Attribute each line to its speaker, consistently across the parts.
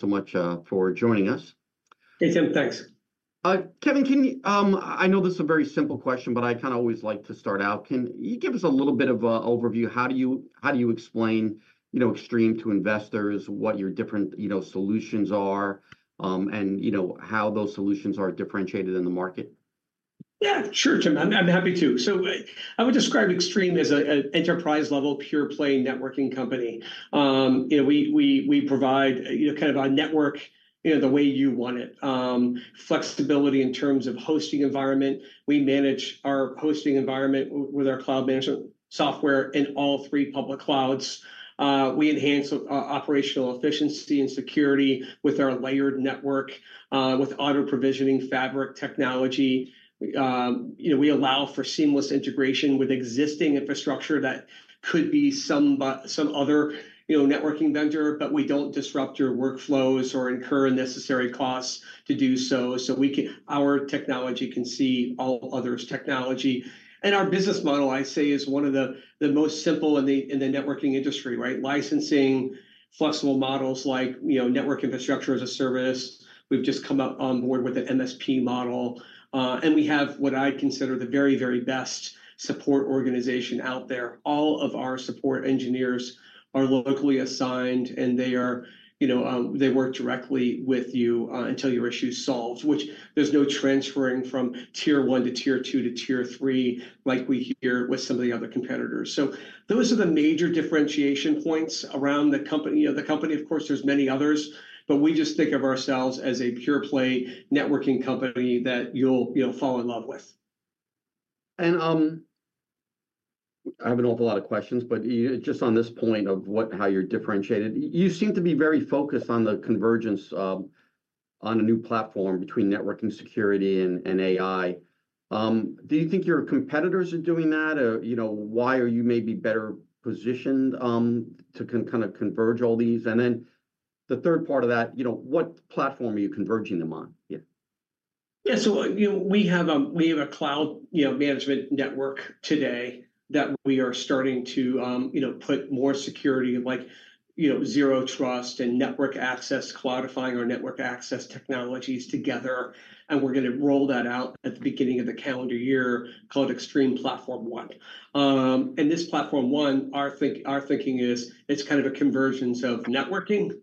Speaker 1: So much for joining us.
Speaker 2: Hey, Tim. Thanks.
Speaker 1: Kevin, can you, I know this is a very simple question, but I kind of always like to start out. Can you give us a little bit of an overview? How do you, how do you explain, you know, Extreme to investors, what your different, you know, solutions are, and you know, how those solutions are differentiated in the market?
Speaker 2: Yeah, sure, Tim. I'm happy to. So I would describe Extreme as an enterprise-level, pure-play networking company. And we provide, you know, kind of a network, yeah, the way you want it. Flexibility in terms of hosting environment, we manage our hosting environment with our cloud management software in all three public clouds. We enhance operational efficiency and security with our layered network with auto-provisioning fabric technology. And we allow for seamless integration with existing infrastructure that could be some other, you know, networking vendor, but we don't disrupt your workflows or incur unnecessary costs to do so. So our technology can see all others' technology. And our business model, I say, is one of the most simple in the networking industry, right? Licensing, flexible models like, you know, network infrastructure as a service. We've just come up on board with an MSP model. And we have what I consider the very, very best support organization out there. All of our support engineers are locally assigned, and they are, you know, they work directly with you, until your issue's solved, which there's no transferring from Tier1 to Tier2 to Tier3 like we hear with some of the other competitors. So those are the major differentiation points around the company. And the company, of course, there's many others, but we just think of ourselves as a pure-play networking company that you'll, you'll fall in love with.
Speaker 1: I have an awful lot of questions, but you know, just on this point of what... how you're differentiated. You seem to be very focused on the convergence on a new platform between networking security and AI. Do you think your competitors are doing that? Or you know, why are you maybe better positioned to kind of converge all these? And then the third part of that, you know, what platform are you converging them on? Yeah.
Speaker 2: Yeah. So, you know, we have a cloud, you know, management network today that we are starting to, you know, put more security like, you know, zero trust and network access, cloudifying our network access technologies together, and we're gonna roll that out at the beginning of the calendar year, called Extreme Platform One. And this Platform One, our thinking is, it's kind of a convergence of networking,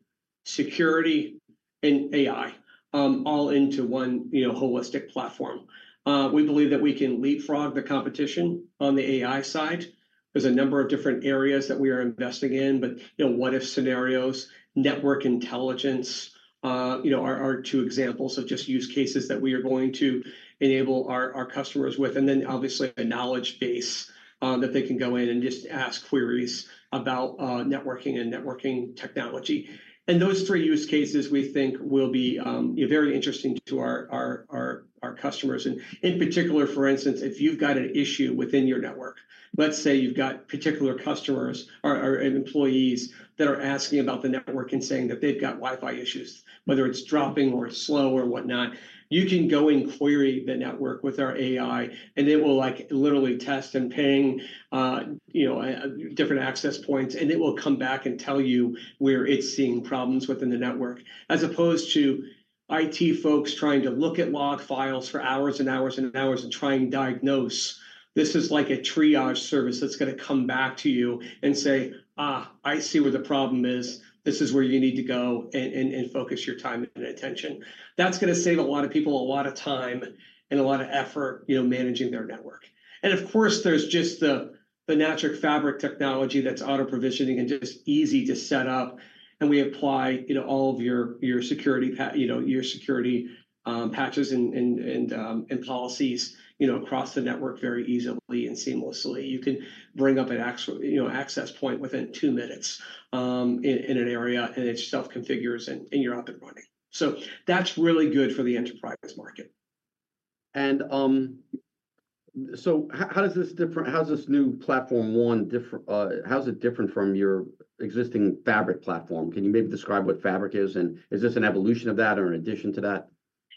Speaker 2: security, and AI, all into one, you know, holistic platform. We believe that we can leapfrog the competition on the AI side. There's a number of different areas that we are investing in, but, you know, what-if scenarios, network intelligence, are two examples of just use cases that we are going to enable our customers with. Obviously, a knowledge base that they can go in and just ask queries about networking and networking technology. Those three use cases we think will be very interesting to our customers. In particular, for instance, if you've got an issue within your network, let's say you've got particular customers or and employees that are asking about the network and saying that they've got Wi-Fi issues, whether it's dropping or it's slow or whatnot, you can go and query the network with our AI, and it will, like, literally test and ping, you know, different access points, and it will come back and tell you where it's seeing problems within the network. As opposed to IT folks trying to look at log files for hours and hours and hours and try and diagnose, this is like a triage service that's gonna come back to you and say, "Ah, I see where the problem is. This is where you need to go and focus your time and attention." That's gonna save a lot of people a lot of time and a lot of effort, you know, managing their network. And of course, there's just the natural fabric technology that's auto-provisioning and just easy to set up, and we apply, you know, all of your, your security, you know, patches and policies, you know, across the network very easily and seamlessly. You can bring up an access point within two minutes, you know, in an area, and it self-configures, and you're up and running. So that's really good for the enterprise market.
Speaker 1: How is this new Platform One different from your existing Fabric platform? Can you maybe describe what Fabric is, and is this an evolution of that or an addition to that?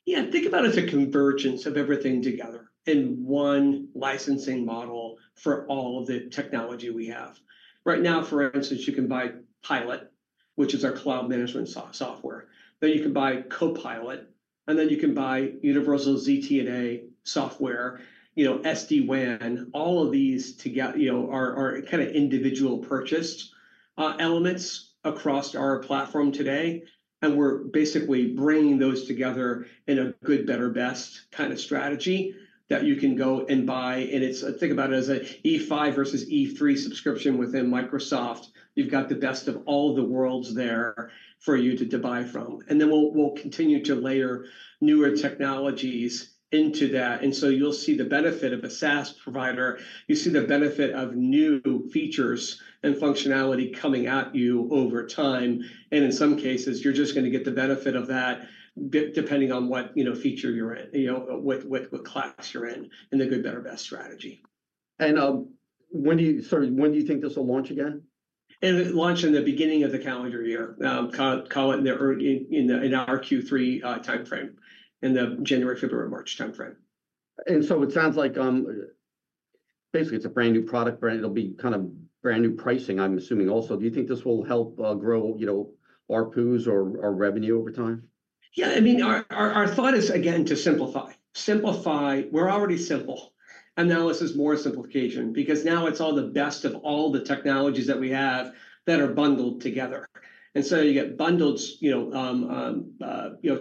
Speaker 2: Yeah. Think about it as a convergence of everything together in one licensing model for all the technology we have. Right now, for instance, you can buy Pilot, which is our cloud management software. Then you can buy CoPilot, and then you can buy Universal ZTNA software, you know, SD-WAN. All of these together, you know, are kind of individual purchased elements across our platform today, and we're basically bringing those together in a good, better, best kind of strategy that you can go and buy. And think about it as a E5 versus E3 subscription within Microsoft. You've got the best of all the worlds there for you to buy from. And then we'll continue to layer newer technologies into that, and so you'll see the benefit of a SaaS provider. You see the benefit of new features and functionality coming at you over time, and in some cases, you're just gonna get the benefit of that, depending on what, you know, feature you're in, you know, what class you're in, in the good, better, best strategy.
Speaker 1: Sorry, when do you think this will launch again?
Speaker 2: It'll launch in the beginning of the calendar year. Call it early in our Q3 timeframe, in the January, February, March timeframe.
Speaker 1: And so it sounds like, basically, it's a brand-new product, it'll be kind of brand-new pricing, I'm assuming also. Do you think this will help grow, you know, ARPUs or, or revenue over time?
Speaker 2: Yeah, I mean, our thought is, again, to simplify. Simplify. We're already simple, and now this is more simplification because now it's all the best of all the technologies that we have that are bundled together, and so you get bundled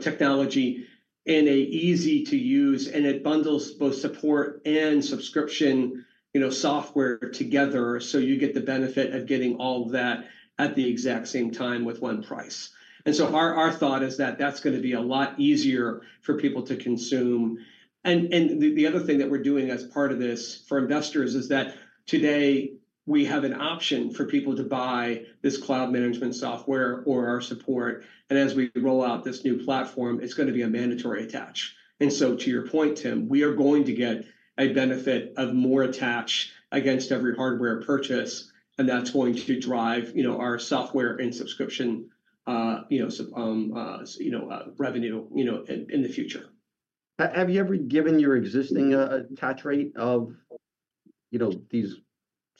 Speaker 2: technology in a easy-to-use, and it bundles both support and subscription, you know, software together, so you get the benefit of getting all of that at the exact same time with one price. And so our thought is that that's gonna be a lot easier for people to consume. And the other thing that we're doing as part of this for investors is that today we have an option for people to buy this cloud management software or our support, and as we roll out this new platform, it's gonna be a mandatory attach. To your point, Tim, we are going to get a benefit of more attach against every hardware purchase, and that's going to drive, you know, our software and subscription revenue, you know, in the future.
Speaker 1: Have you ever given your existing attach rate of, you know, these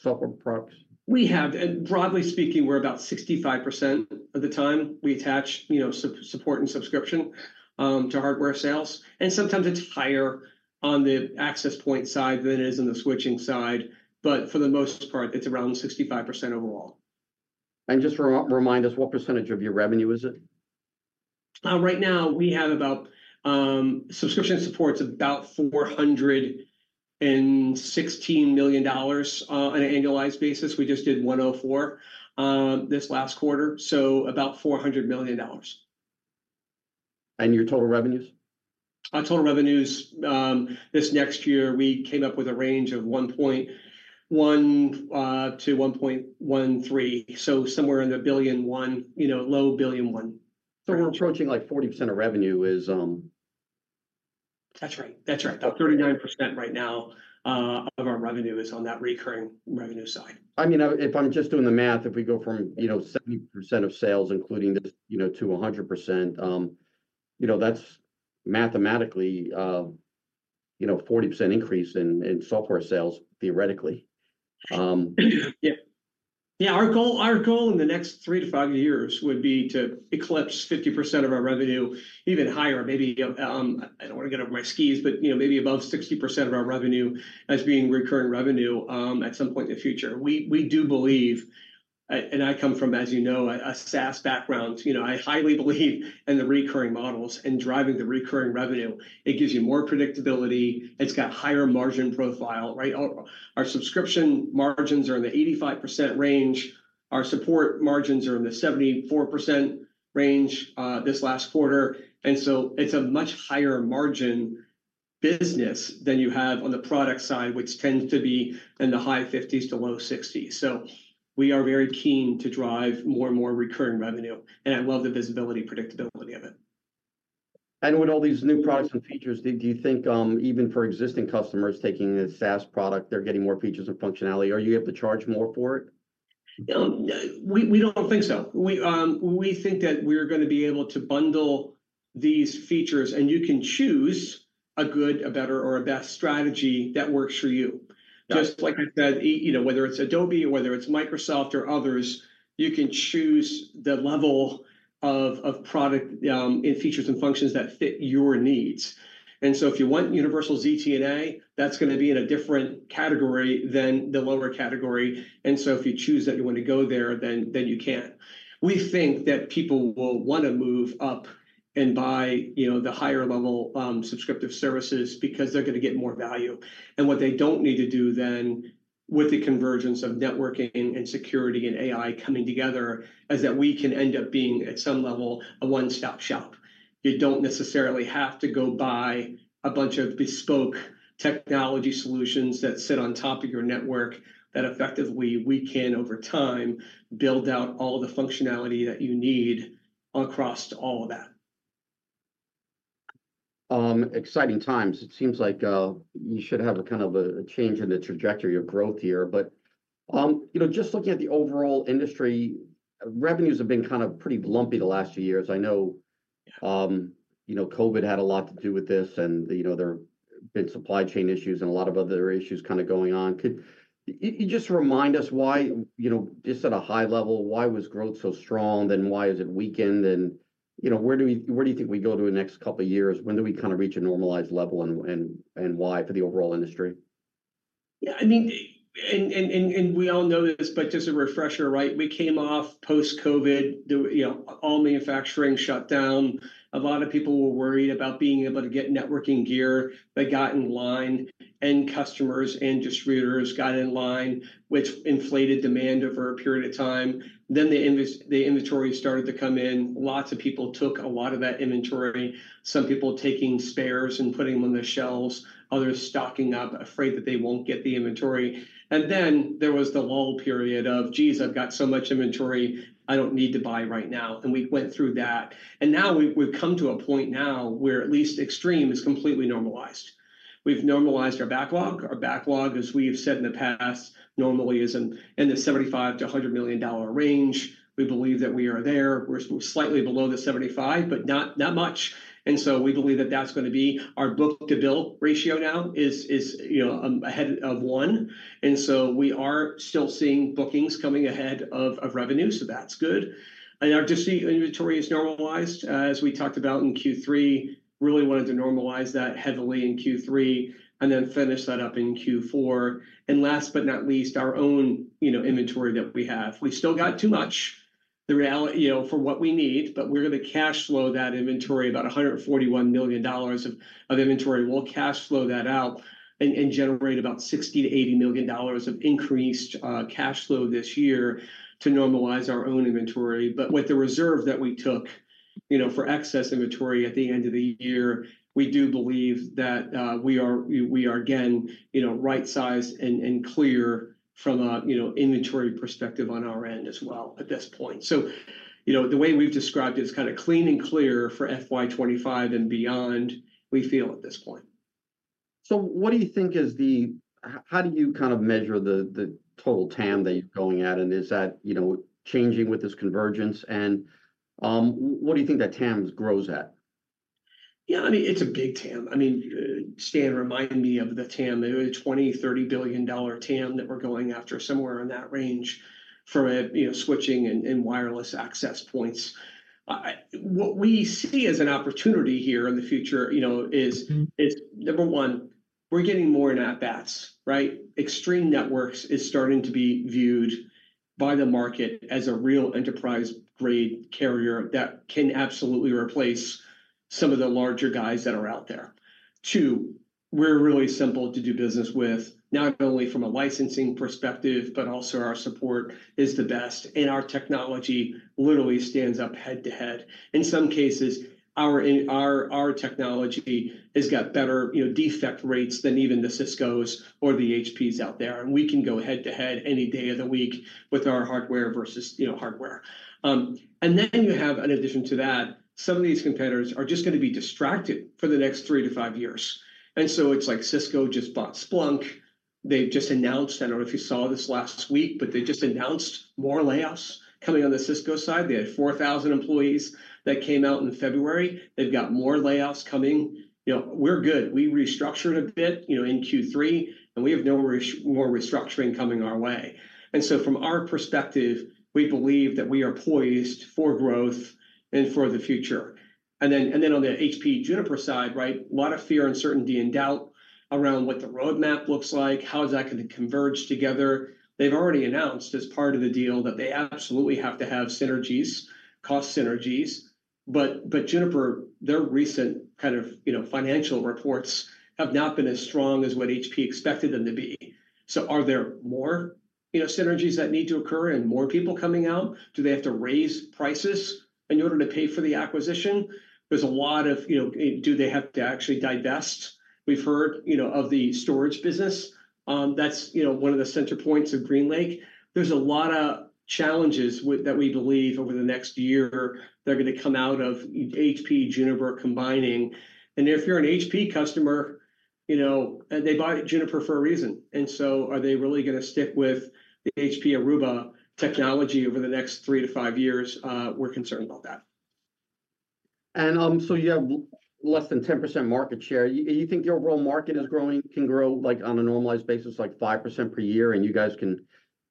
Speaker 1: software products?
Speaker 2: We have, and broadly speaking, we're about 65% of the time we attach, you know, support and subscription to hardware sales, and sometimes it's higher on the access point side than it is on the switching side, but for the most part, it's around 65% overall.
Speaker 1: Just remind us what percentage of your revenue is it?
Speaker 2: Right now we have subscription support's about $416 million on an annualized basis. We just did $104 million this last quarter, so about $400 million.
Speaker 1: Your total revenues?
Speaker 2: Our total revenues, this next year we came up with a range of $1.1 billion-$1.13 billion, so somewhere in the $1.1 billion, you know, low $1.1 billion.
Speaker 1: We're approaching, like, 40% of revenue is,
Speaker 2: That's right. That's right.
Speaker 1: About 39% right now.
Speaker 2: Of our revenue is on that recurring revenue side.
Speaker 1: I mean, if I'm just doing the math, if we go from, you know, 70% of sales including this, you know, to 100%, you know, that's mathematically, you know, 40% increase in software sales theoretically.
Speaker 2: Yeah. Yeah, our goal, our goal in the next 3 to 5 years would be to eclipse 50% of our revenue, even higher, maybe, I don't wanna get up on my skis, but, you know, maybe above 60% of our revenue as being recurring revenue, at some point in the future. We, we do believe, a- and I come from, as you know, a, a SaaS background, you know, I highly believe in the recurring models and driving the recurring revenue. It gives you more predictability. It's got higher margin profile, right? Our, our subscription margins are in the 85% range. Our support margins are in the 74% range, this last quarter, and so it's a much higher margin business than you have on the product side, which tends to be in the high 50s-low 60s. We are very keen to drive more and more recurring revenue, and I love the visibility and predictability of it.
Speaker 1: With all these new products and features, do you think even for existing customers taking a SaaS product, they're getting more features and functionality, or you have to charge more for it?
Speaker 2: We don't think so. We think that we're gonna be able to bundle these features, and you can choose a good, a better, or a best strategy that works for you.
Speaker 1: Yeah.
Speaker 2: Just like I said, you know, whether it's Adobe, or whether it's Microsoft or others, you can choose the level of, of product, and features and functions that fit your needs. And so if you want universal ZTNA, that's gonna be in a different category than the lower category, and so if you choose that you want to go there, then, then you can. We think that people will wanna move up and buy, you know, the higher level, subscription services because they're gonna get more value. And what they don't need to do then, with the convergence of networking and security and AI coming together, is that we can end up being, at some level, a one-stop shop. You don't necessarily have to go buy a bunch of bespoke technology solutions that sit on top of your network, that effectively we can, over time, build out all the functionality that you need across all of that.
Speaker 1: Exciting times. It seems like you should have a kind of a change in the trajectory of growth here, but you know, just looking at the overall industry, revenues have been kind of pretty lumpy the last few years. I know you know, COVID had a lot to do with this, and you know, there have been supply chain issues and a lot of other issues kind of going on. Could you just remind us why, you know, just at a high level, why was growth so strong, and why has it weakened? And you know, where do you think we go to the next couple of years? When do we kind of reach a normalized level, and why for the overall industry?
Speaker 2: Yeah, I mean, and we all know this, but just a refresher, right? We came off post-COVID, you know, all manufacturing shut down. A lot of people were worried about being able to get networking gear. They got in line, end customers and distributors got in line, which inflated demand over a period of time. Then the inventory started to come in. Lots of people took a lot of that inventory, some people taking spares and putting them on their shelves, others stocking up, afraid that they won't get the inventory. And then there was the lull period of, "Geez, I've got so much inventory. I don't need to buy right now," and we went through that. And now we've come to a point now where at least Extreme is completely normalized. We've normalized our backlog. Our backlog, as we have said in the past, normally is in the $75 million-$100 million range. We believe that we are there. We're slightly below the $75 million, but not much, and so we believe that that's gonna be... Our book-to-bill ratio now is, you know, ahead of one, and so we are still seeing bookings coming ahead of revenue, so that's good. And our distie inventory is normalized, as we talked about in Q3. Really wanted to normalize that heavily in Q3 and then finish that up in Q4. And last but not least, our own, you know, inventory that we have. We still got too much inventory, the reality, you know, for what we need, but we're gonna cash flow that inventory, about $141 million of inventory. We'll cash flow that out and generate about $60-$80 million of increased cash flow this year to normalize our own inventory. But with the reserve that we took, you know, for excess inventory at the end of the year, we do believe that we are, we are, again, you know, right-sized and clear from a, you know, inventory perspective on our end as well at this point. So, you know, the way we've described it is kind of clean and clear for FY 2025 and beyond, we feel at this point.
Speaker 1: So how do you kind of measure the total TAM that you're going at? And is that, you know, changing with this convergence? And what do you think that TAM grows at?
Speaker 2: Yeah, I mean, it's a big TAM. I mean, Stan reminded me of the TAM. A $20 billion-$30 billion TAM that we're going after, somewhere in that range for, you know, switching and, and wireless access points. What we see as an opportunity here in the future, you know, is-
Speaker 1: Mm-hmm...
Speaker 2: is, number 1, we're getting more at-bats, right? Extreme Networks is starting to be viewed by the market as a real enterprise-grade carrier that can absolutely replace some of the larger guys that are out there. 2, we're really simple to do business with, not only from a licensing perspective, but also our support is the best, and our technology literally stands up head-to-head. In some cases, our technology has got better, you know, defect rates than even the Ciscos or the HPs out there, and we can go head-to-head any day of the week with our hardware versus, you know, hardware. And then you have, in addition to that, some of these competitors are just gonna be distracted for the next 3 to 5 years. So it's like Cisco just bought Splunk. They've just announced, I don't know if you saw this last week, but they just announced more layoffs coming on the Cisco side. They had 4,000 employees that came out in February. They've got more layoffs coming. You know, we're good. We restructured a bit, you know, in Q3, and we have no more restructuring coming our way. And so from our perspective, we believe that we are poised for growth and for the future. And then on the HP Juniper side, right, a lot of fear, uncertainty, and doubt around what the roadmap looks like, how is that gonna converge together. They've already announced, as part of the deal, that they absolutely have to have synergies, cost synergies. But Juniper, their recent kind of, you know, financial reports have not been as strong as what HP expected them to be. So are there more, you know, synergies that need to occur and more people coming out? Do they have to raise prices in order to pay for the acquisition? There's a lot of, you know... Do they have to actually divest? We've heard, you know, of the storage business. That's, you know, one of the center points of GreenLake. There's a lot of challenges with that we believe over the next year that are gonna come out of HP, Juniper combining. And if you're an HP customer, you know, they buy Juniper for a reason. And so are they really gonna stick with the HP Aruba technology over the next three to five years? We're concerned about that.
Speaker 1: So you have less than 10% market share. You think your overall market is growing, can grow, like, on a normalized basis, like 5% per year, and you guys can,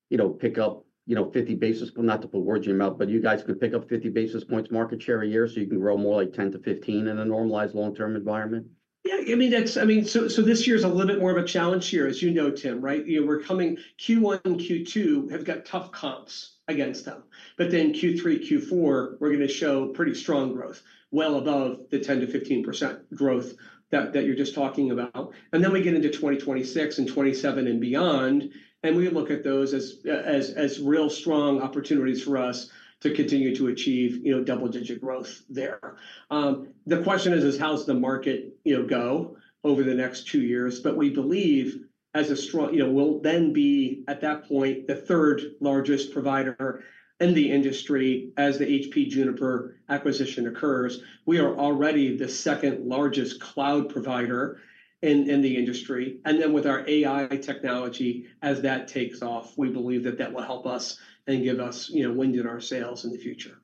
Speaker 1: you know, pick up, you know, 50 basis points, not to put words in your mouth, but you guys could pick up 50 basis points market share a year, so you can grow more like 10-15 in a normalized long-term environment?
Speaker 2: Yeah, I mean, that's, so this year is a little bit more of a challenge year, as you know, Tim, right? You know, we're coming Q1 and Q2 have got tough comps against them. But then Q3, Q4, we're gonna show pretty strong growth, well above the 10%-15% growth that you're just talking about. And then we get into 2026 and 2027 and beyond, and we look at those as as real strong opportunities for us to continue to achieve, you know, double-digit growth there. The question is, how does the market, you know, go over the next two years? But we believe as a strong... You know, we'll then be, at that point, the third largest provider in the industry as the HP Juniper acquisition occurs. We are already the second largest cloud provider in the industry. And then with our AI technology, as that takes off, we believe that that will help us and give us, you know, wind in our sails in the future.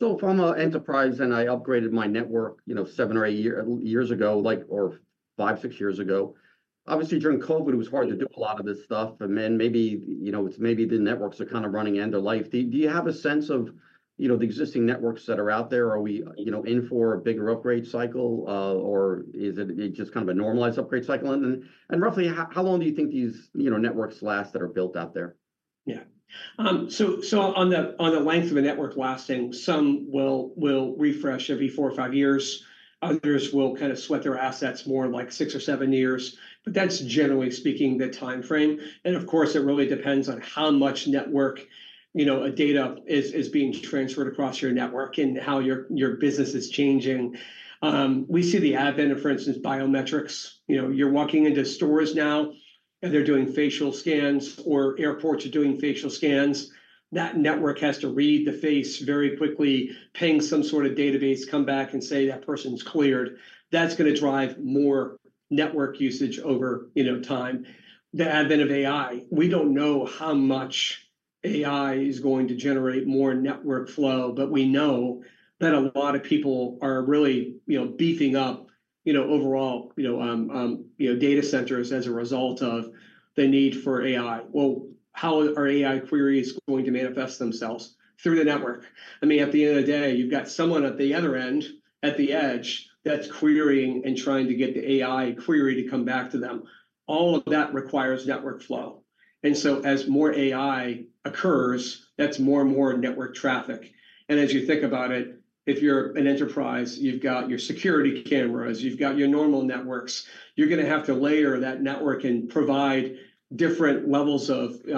Speaker 1: So if I'm an enterprise, and I upgraded my network, you know, 7 or 8 years ago, like, or 5, 6 years ago, obviously, during COVID, it was hard to do a lot of this stuff, and then maybe, you know, it's maybe the networks are kind of running end of life. Do you have a sense of, you know, the existing networks that are out there? Are we, you know, in for a bigger upgrade cycle, or is it just kind of a normalized upgrade cycle? And then roughly, how long do you think these, you know, networks last that are built out there?
Speaker 2: Yeah. So on the length of a network lasting, some will refresh every four or five years. Others will kind of sweat their assets more in, like, six or seven years, but that's generally speaking, the timeframe. And of course, it really depends on how much network, you know, data is being transferred across your network and how your business is changing. We see the advent of, for instance, biometrics. You know, you're walking into stores now, and they're doing facial scans, or airports are doing facial scans. That network has to read the face very quickly, ping some sort of database, come back and say that person's cleared. That's gonna drive more network usage over, you know, time. The advent of AI, we don't know how much AI is going to generate more network flow, but we know that a lot of people are really, you know, beefing up, you know, overall, you know, data centers as a result of the need for AI. Well, how are AI queries going to manifest themselves? Through the network. I mean, at the end of the day, you've got someone at the other end, at the edge, that's querying and trying to get the AI query to come back to them. All of that requires network flow... and so as more AI occurs, that's more and more network traffic. And as you think about it, if you're an enterprise, you've got your security cameras, you've got your normal networks, you're gonna have to layer that network and provide different levels of, you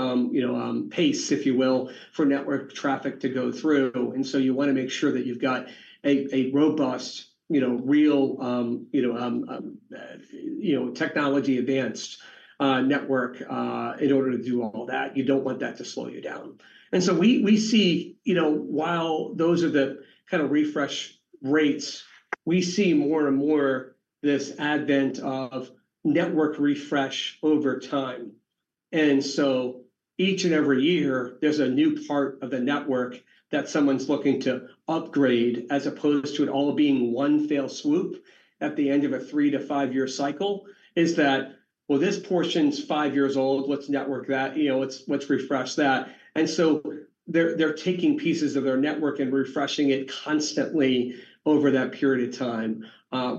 Speaker 2: know, technology-advanced network in order to do all that. You don't want that to slow you down. And so we see, you know, while those are the kind of refresh rates, we see more and more this advent of network refresh over time. And so each and every year, there's a new part of the network that someone's looking to upgrade, as opposed to it all being one fell swoop at the end of a 3-5-year cycle, is that, "Well, this portion's 5 years old. Let's network that. You know, let's refresh that." And so they're taking pieces of their network and refreshing it constantly over that period of time.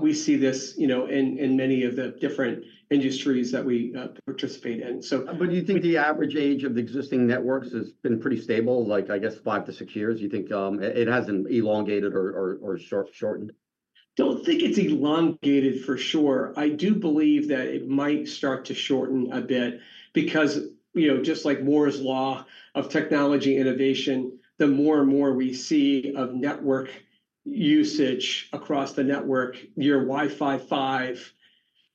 Speaker 2: We see this, you know, in many of the different industries that we participate in, so-
Speaker 1: But do you think the average age of the existing networks has been pretty stable, like, I guess 5-6 years? You think, it hasn't elongated or shortened?
Speaker 2: Don't think it's elongated for sure. I do believe that it might start to shorten a bit because, you know, just like Moore's Law of technology innovation, the more and more we see of network usage across the network, your Wi-Fi 5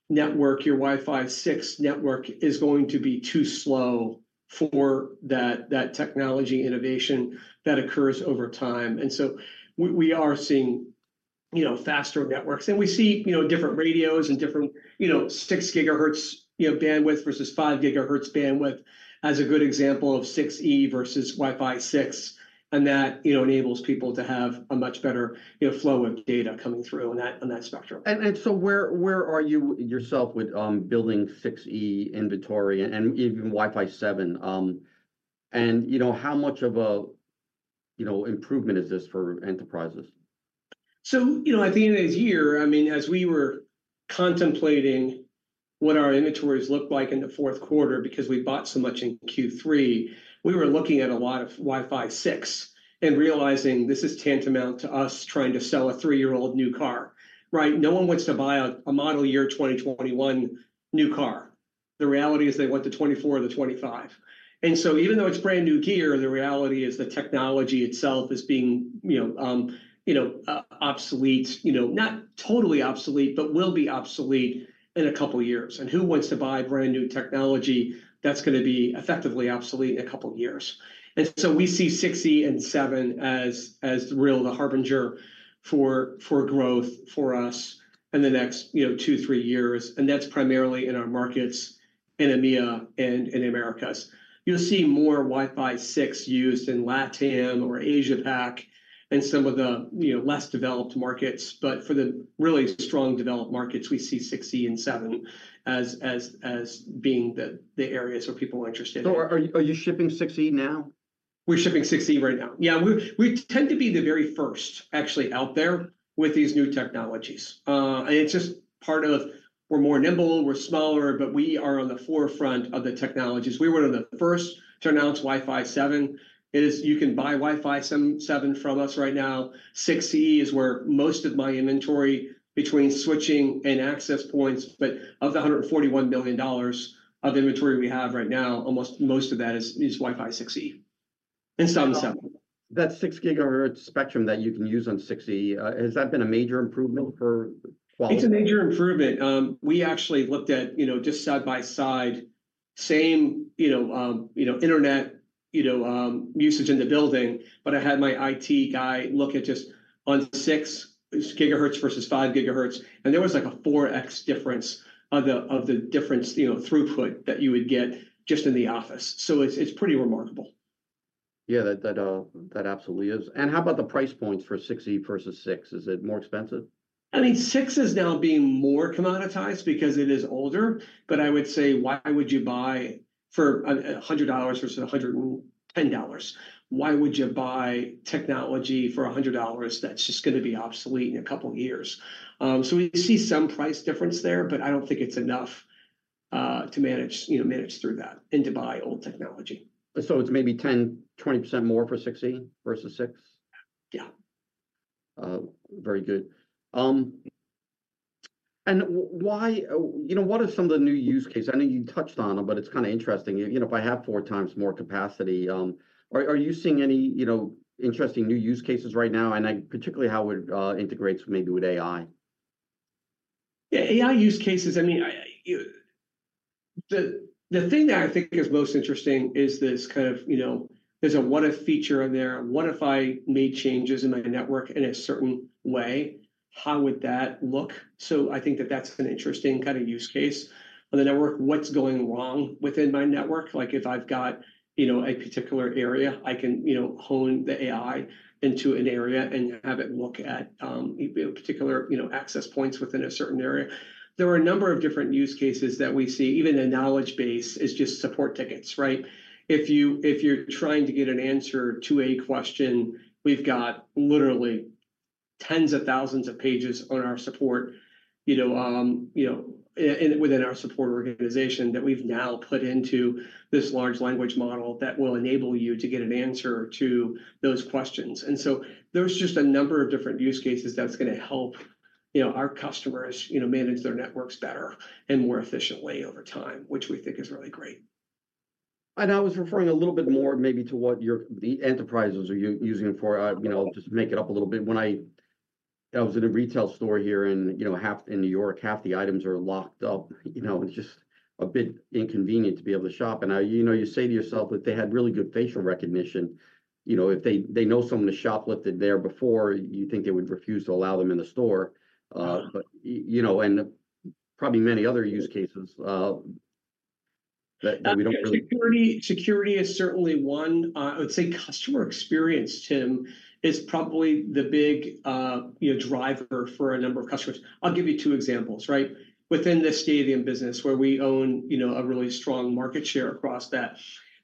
Speaker 2: network, your Wi-Fi 6 network is going to be too slow for that, that technology innovation that occurs over time. And so we, we are seeing, you know, faster networks. And we see, you know, different radios and different, you know, 6 GHz, you know, bandwidth versus 5 GHz bandwidth as a good example of 6E versus Wi-Fi 6, and that, you know, enables people to have a much better, you know, flow of data coming through on that, on that spectrum.
Speaker 1: So where are you yourself with building 6E inventory and even Wi-Fi 7? And you know, how much of a, you know, improvement is this for enterprises?
Speaker 2: So, you know, at the end of this year, I mean, as we were contemplating what our inventories looked like in the fourth quarter, because we bought so much in Q3, we were looking at a lot of Wi-Fi 6 and realizing this is Tantamount to us trying to sell a three-year-old new car, right? No one wants to buy a model-year 2021 new car. The reality is they want the 2024 or the 2025. And so even though it's brand-new gear, the reality is the technology itself is being, you know, you know, obsolete. You know, not totally obsolete, but will be obsolete in a couple of years, and who wants to buy brand-new technology that's gonna be effectively obsolete in a couple of years? So we see 6E and 7 as real, the harbinger for growth for us in the next, you know, two, three years, and that's primarily in our markets in EMEA and in Americas. You'll see more Wi-Fi 6 used in LATAM or Asia Pac and some of the, you know, less-developed markets, but for the really strong, developed markets, we see 6E and 7 as being the areas where people are interested in.
Speaker 1: So are you shipping 6E now?
Speaker 2: We're shipping 6E right now. Yeah, we tend to be the very first actually out there with these new technologies. It's just part of we're more nimble, we're smaller, but we are on the forefront of the technologies. We were one of the first to announce Wi-Fi 7. It is... You can buy Wi-Fi 7, 7 from us right now. 6E is where most of my inventory between switching and access points, but of the $141 million of inventory we have right now, almost most of that is Wi-Fi 6E and some 7.
Speaker 1: That 6 GHz spectrum that you can use on 6E, has that been a major improvement for quality?
Speaker 2: It's a major improvement. We actually looked at just side by side same internet usage in the building, but I had my IT guy look at just on 6 GHz versus 5 GHz, and there was, like, a 4x difference in the throughput that you would get just in the office. So it's pretty remarkable.
Speaker 1: Yeah, that absolutely is. How about the price points for 6E versus 6? Is it more expensive?
Speaker 2: I mean, 6 is now being more commoditized because it is older, but I would say, why would you buy for a hundred dollars versus $110? Why would you buy technology for $100 that's just gonna be obsolete in a couple of years? So we see some price difference there, but I don't think it's enough to manage, you know, through that and to buy old technology.
Speaker 1: It's maybe 10%-20% more for 6E versus 6?
Speaker 2: Yeah.
Speaker 1: Very good. And, why, you know, what are some of the new use cases? I know you touched on them, but it's kind of interesting. You know, if I have 4 times more capacity, are you seeing any, you know, interesting new use cases right now? And, like, particularly how it integrates maybe with AI.
Speaker 2: Yeah, AI use cases, I mean, the thing that I think is most interesting is this kind of, you know... There's a what if feature in there. What if I made changes in my network in a certain way? How would that look? So I think that that's an interesting kind of use case on the network. What's going wrong within my network? Like, if I've got, you know, a particular area, I can, you know, hone the AI into an area and have it look at particular, you know, access points within a certain area. There are a number of different use cases that we see. Even a knowledge base is just support tickets, right? If you, if you're trying to get an answer to a question, we've got literally-... Tens of thousands of pages on our support, you know, you know, within our support organization that we've now put into this large language model that will enable you to get an answer to those questions. And so there's just a number of different use cases that's gonna help, you know, our customers, you know, manage their networks better and more efficiently over time, which we think is really great.
Speaker 1: I was referring a little bit more maybe to what the enterprises are using it for. You know, just make it up a little bit. When I was in a retail store here in New York, half the items are locked up. You know, it's just a bit inconvenient to be able to shop. And you know, you say to yourself, "If they had really good facial recognition, you know, if they know someone has shoplifted there before, you think they would refuse to allow them in the store." But you know, and probably many other use cases that we don't really-
Speaker 2: Security, security is certainly one. I would say customer experience, Tim, is probably the big, you know, driver for a number of customers. I'll give you two examples, right? Within the stadium business, where we own, you know, a really strong market share across that,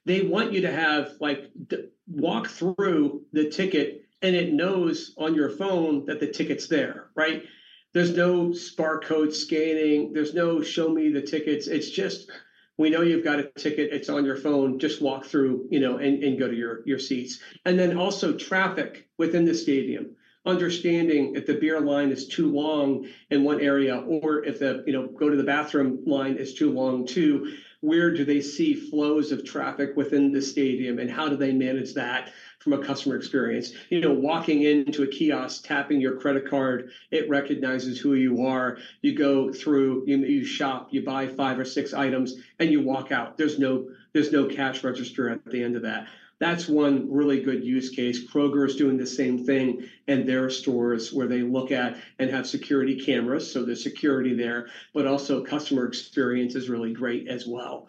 Speaker 2: they want you to have, like, the... Walk through the ticket, and it knows on your phone that the ticket's there, right? There's no barcode scanning. There's no, "Show me the tickets." It's just, "We know you've got a ticket. It's on your phone. Just walk through, you know, and, and go to your, your seats." And then also traffic within the stadium. Understanding if the beer line is too long in one area or if the, you know, go to the bathroom line is too long, too. Where do they see flows of traffic within the stadium, and how do they manage that from a customer experience? You know, walking into a kiosk, tapping your credit card, it recognizes who you are. You go through, and you shop. You buy five or six items, and you walk out. There's no cash register at the end of that. That's one really good use case. Kroger is doing the same thing in their stores, where they look at and have security cameras, so there's security there, but also customer experience is really great as well.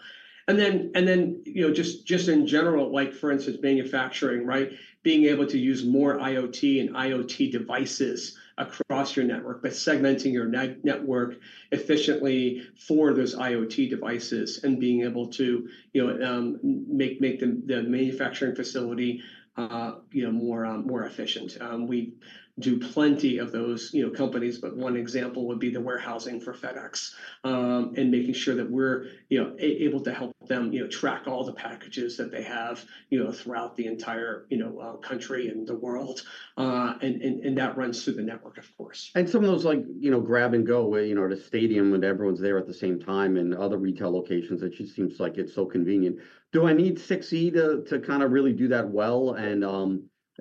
Speaker 2: And then, you know, just, just in general, like, for instance, manufacturing, right? Being able to use more IoT and IoT devices across your network, but segmenting your network efficiently for those IoT devices and being able to, you know, make the manufacturing facility, you know, more efficient. We do plenty of those, you know, companies, but one example would be the warehousing for FedEx, and making sure that we're, you know, able to help them, you know, track all the packages that they have, you know, throughout the entire, you know, country and the world. And that runs through the network, of course.
Speaker 1: And some of those, like, you know, grab and go, where, you know, at a stadium when everyone's there at the same time and other retail locations, it just seems like it's so convenient. Do I need 6E to kind of really do that well? And,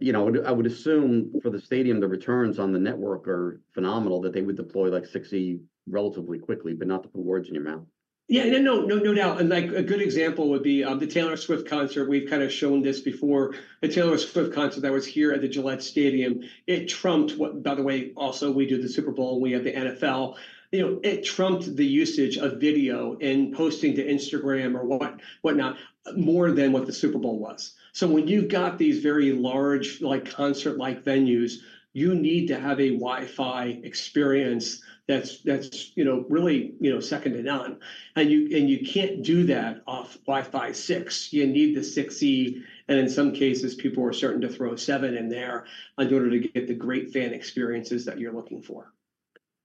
Speaker 1: you know, I would assume for the stadium, the returns on the network are phenomenal, that they would deploy, like, 6E relatively quickly, but not to put words in your mouth.
Speaker 2: Yeah, no, no, no doubt, and, like, a good example would be the Taylor Swift concert. We've kind of shown this before. The Taylor Swift concert that was here at the Gillette Stadium, it trumped what... By the way, also, we do the Super Bowl, and we have the NFL. You know, it trumped the usage of video and posting to Instagram or whatnot, more than what the Super Bowl was. So when you've got these very large, like, concert-like venues, you need to have a Wi-Fi experience that's, that's, you know, really, you know, second to none, and you, and you can't do that off Wi-Fi 6. You need the 6E, and in some cases, people are starting to throw 7 in there, in order to get the great fan experiences that you're looking for.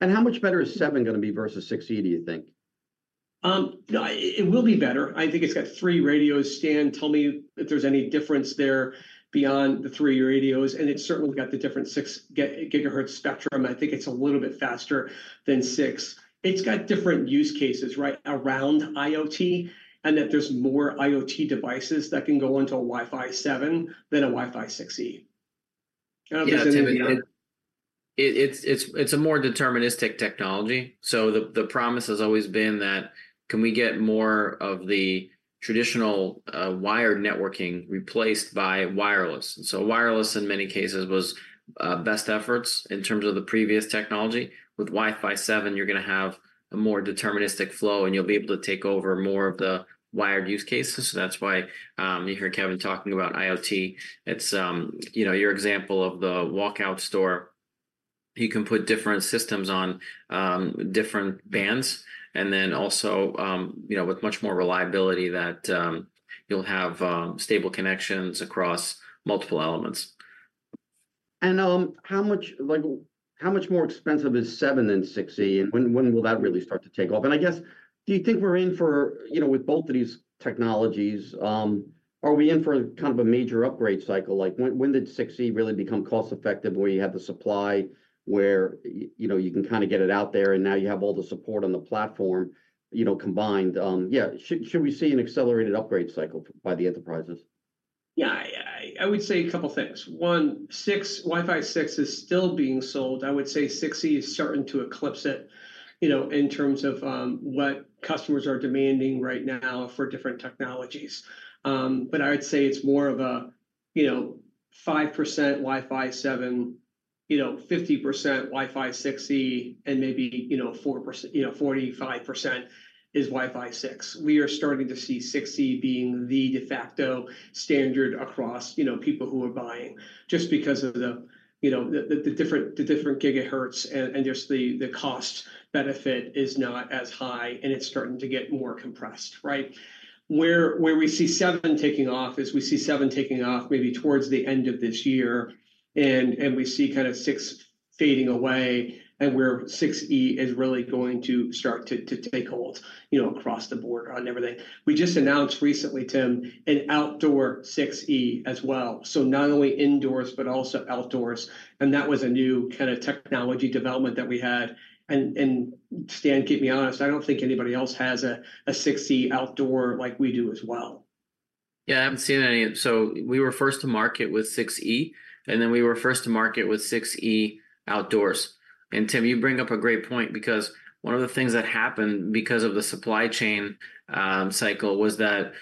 Speaker 1: How much better is 7 gonna be versus 6E, do you think?
Speaker 2: It will be better. I think it's got three radios. Stan, tell me if there's any difference there beyond the three radios, and it's certainly got the different 6 GHz spectrum. I think it's a little bit faster than 6. It's got different use cases, right, around IoT, and that there's more IoT devices that can go into a Wi-Fi 7 than a Wi-Fi 6E. I don't know if there's anything-
Speaker 3: Yeah, Tim, it's a more deterministic technology, so the promise has always been that, can we get more of the traditional wired networking replaced by wireless? And so wireless, in many cases, was best efforts in terms of the previous technology. With Wi-Fi 7, you're gonna have a more deterministic flow, and you'll be able to take over more of the wired use cases. So that's why you hear Kevin talking about IoT. It's, you know, your example of the walk-out store, he can put different systems on different bands and then also, you know, with much more reliability that you'll have stable connections across multiple elements.
Speaker 1: How much, like, how much more expensive is 7 than 6E, and when will that really start to take off? I guess, do you think we're in for, you know, with both of these technologies, are we in for kind of a major upgrade cycle? Like, when did 6E really become cost-effective, where you have the supply, where you know, you can kind of get it out there, and now you have all the support on the platform, you know, combined? Yeah, should we see an accelerated upgrade cycle by the enterprises?
Speaker 2: Yeah, I would say a couple things. One, Wi-Fi 6 is still being sold. I would say 6E is starting to eclipse it, you know, in terms of what customers are demanding right now for different technologies. But I'd say it's more of a, you know, 5% Wi-Fi 7, you know, 50% Wi-Fi 6E, and maybe, you know, 45% is Wi-Fi 6. We are starting to see 6E being the de facto standard across, you know, people who are buying, just because of the, you know, the different gigahertz and just the cost benefit is not as high, and it's starting to get more compressed, right? Where we see 7 taking off is we see 7 taking off maybe towards the end of this year, and we see kind of 6E-... Fading away, and where 6E is really going to start to take hold, you know, across the board on everything. We just announced recently, Tim, an outdoor 6E as well. So not only indoors, but also outdoors, and that was a new kind of technology development that we had. And Stan, keep me honest, I don't think anybody else has a 6E outdoor like we do as well.
Speaker 3: Yeah, I haven't seen any. So we were first to market with 6E, and then we were first to market with 6E outdoors. And Tim, you bring up a great point, because one of the things that happened because of the supply chain cycle was that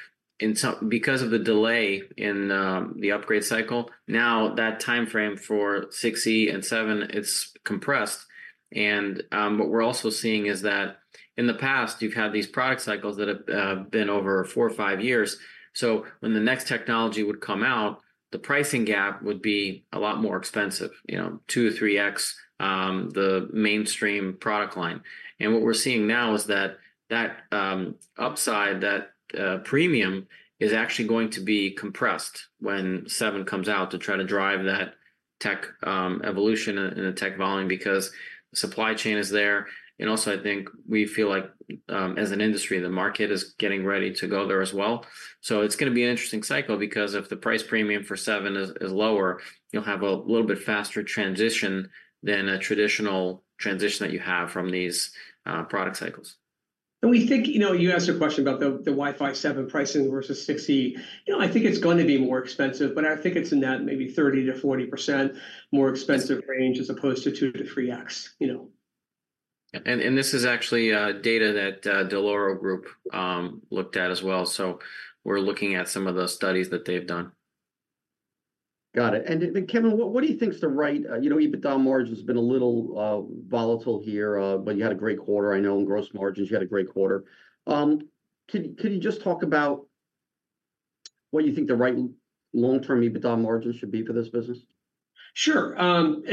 Speaker 3: because of the delay in the upgrade cycle, now that timeframe for 6E and 7 is compressed. And what we're also seeing is that in the past, you've had these product cycles that have been over four or five years. So when the next technology would come out, the pricing gap would be a lot more expensive, you know, 2-3x the mainstream product line. And what we're seeing now is that, that, upside, that, premium, is actually going to be compressed when 7 comes out to try to drive that tech, evolution and, and the tech volume, because supply chain is there. And also, I think we feel like, as an industry, the market is getting ready to go there as well. So it's gonna be an interesting cycle, because if the price premium for 7 is, is lower, you'll have a little bit faster transition than a traditional transition that you have from these, product cycles.
Speaker 2: We think... You know, you asked a question about the, the Wi-Fi 7 pricing versus 6E. You know, I think it's going to be more expensive, but I think it's in that maybe 30%-40% more expensive range as opposed to 2-3x. You know?
Speaker 3: This is actually data that Dell'Oro Group looked at as well, so we're looking at some of the studies that they've done.
Speaker 1: Got it. And, Kevin, what do you think is the right... You know, EBITDA margin has been a little volatile here, but you had a great quarter, I know, and gross margins, you had a great quarter. Could you just talk about what you think the right long-term EBITDA margin should be for this business?
Speaker 2: Sure. And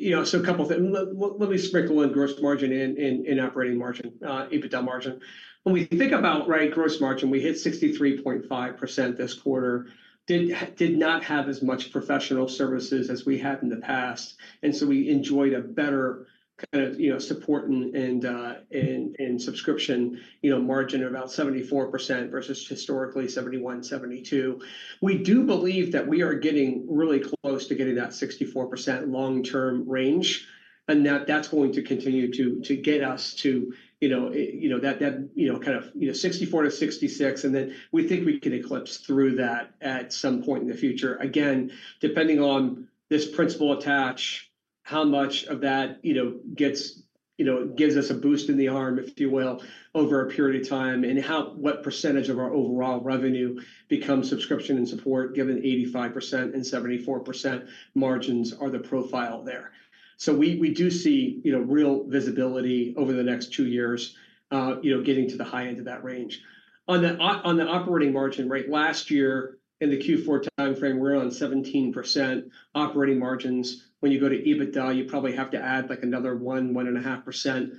Speaker 2: you know, so a couple things. Let me sprinkle in gross margin and operating margin, EBITDA margin. When we think about, right, gross margin, we hit 63.5% this quarter. Did not have as much professional services as we had in the past, and so we enjoyed a better kind of, you know, support and subscription, you know, margin of about 74% versus historically 71, 72. We do believe that we are getting really close to getting that 64% long-term range, and that that's going to continue to get us to, you know, it, you know, that, you know, kind of, 64%-66%, and then we think we can eclipse through that at some point in the future. Again, depending on this principal attach, how much of that, you know, gets, you know, gives us a boost in the arm, if you will, over a period of time, and how, what percentage of our overall revenue becomes subscription and support, given 85% and 74% margins are the profile there. So we, we do see, you know, real visibility over the next two years, getting to the high end of that range. On the operating margin rate, last year in the Q4 timeframe, we were on 17% operating margins. When you go to EBITDA, you probably have to add, like, another 1-1.5%,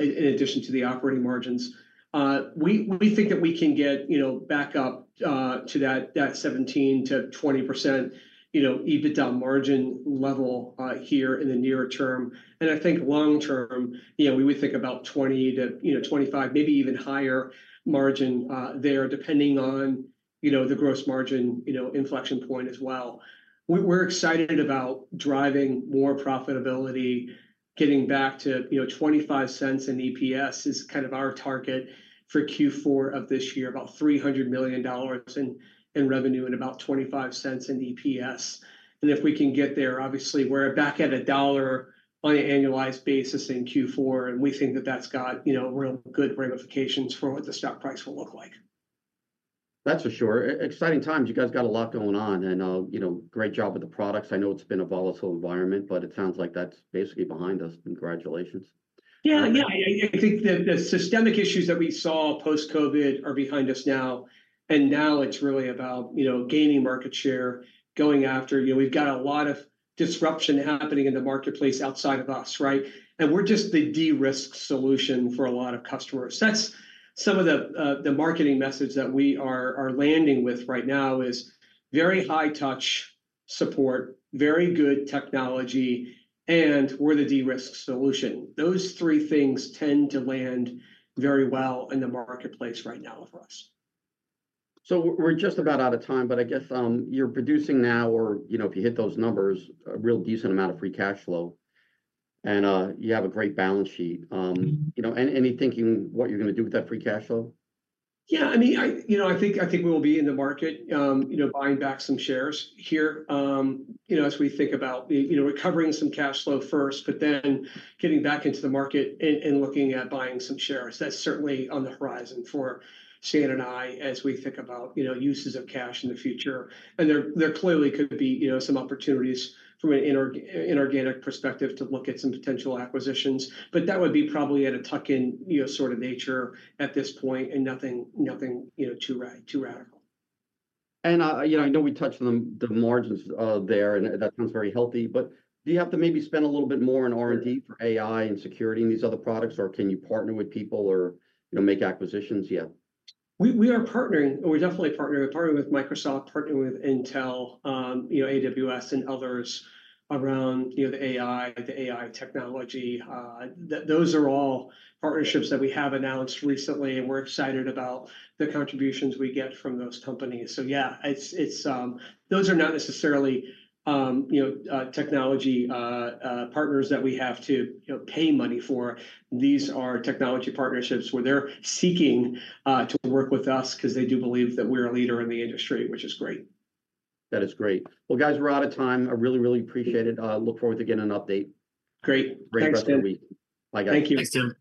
Speaker 2: in addition to the operating margins. We think that we can get, you know, back up to that 17%-20%, you know, EBITDA margin level here in the nearer term. And I think long term, you know, we would think about 20-25, maybe even higher margin there, depending on, you know, the gross margin inflection point as well. We're excited about driving more profitability. Getting back to, you know, $0.25 in EPS is kind of our target for Q4 of this year. About $300 million in revenue and about $0.25 in EPS. And if we can get there, obviously, we're back at $1 on an annualized basis in Q4, and we think that that's got, you know, real good ramifications for what the stock price will look like.
Speaker 1: That's for sure. Exciting times. You guys got a lot going on, and, you know, great job with the products. I know it's been a volatile environment, but it sounds like that's basically behind us. Congratulations.
Speaker 2: Yeah, yeah. I think the systemic issues that we saw post-COVID are behind us now, and now it's really about, you know, gaining market share, going after... You know, we've got a lot of disruption happening in the marketplace outside of us, right? And we're just the de-risk solution for a lot of customers. That's some of the marketing message that we are landing with right now is very high-touch support, very good technology, and we're the de-risk solution. Those three things tend to land very well in the marketplace right now for us.
Speaker 1: So we're just about out of time, but I guess, you're producing now or, you know, if you hit those numbers, a real decent amount of free cash flow, and you have a great balance sheet. You know, any thinking what you're gonna do with that free cash flow?
Speaker 2: Yeah, I mean, I you know, I think, I think we will be in the market, you know, buying back some shares here. You know, as we think about, you know, recovering some cash flow first, but then getting back into the market and, and looking at buying some shares. That's certainly on the horizon for Stan and I as we think about, you know, uses of cash in the future. And there, there clearly could be, you know, some opportunities from an inorganic perspective to look at some potential acquisitions, but that would be probably at a tuck in, you know, sort of nature at this point, and nothing, nothing, you know, too too radical.
Speaker 1: You know, I know we touched on the margins there, and that seems very healthy, but do you have to maybe spend a little bit more on R&D for AI and security and these other products, or can you partner with people or, you know, make acquisitions yet?
Speaker 2: We are partnering, or we're definitely partnering. We're partnering with Microsoft, partnering with Intel, you know, AWS and others around, you know, the AI, the AI technology. Those are all partnerships that we have announced recently, and we're excited about the contributions we get from those companies. So yeah, it's, it's... Those are not necessarily, you know, technology partners that we have to, you know, pay money for. These are technology partnerships where they're seeking to work with us, 'cause they do believe that we're a leader in the industry, which is great.
Speaker 1: That is great. Well, guys, we're out of time. I really, really appreciate it. Look forward to getting an update.
Speaker 2: Great.
Speaker 1: Great rest of the week.
Speaker 2: Thanks, Tim.
Speaker 1: Bye, guys.
Speaker 2: Thank you.
Speaker 3: Thanks, Tim.